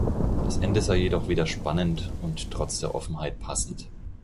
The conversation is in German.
Das Ende sei jedoch wieder spannend und trotz der Offenheit passend.